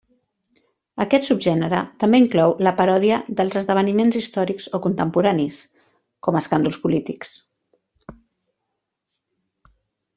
Aquest subgènere també inclou la paròdia dels esdeveniments històrics o contemporanis, com escàndols polítics.